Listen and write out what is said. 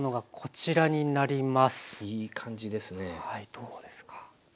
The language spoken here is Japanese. どうですか？